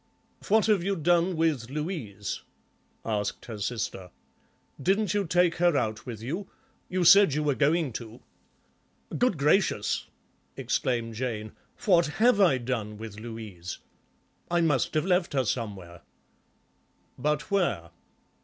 "What have you done with Louise?" asked her sister. "Didn't you take her out with you? You said you were going to." "Good gracious," exclaimed Jane, "what have I done with Louise? I must have left her somewhere." "But where?"